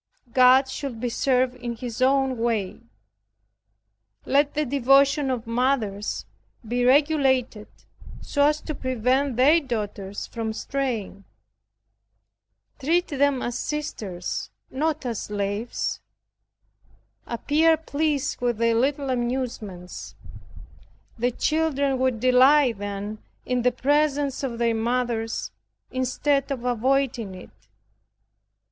God should be served in His own way. Let the devotion of mothers be regulated so as to prevent their daughters from straying. Treat them as sisters, not as slaves. Appear pleased with their little amusements. The children will delight then in the presence of their mothers, instead of avoiding it.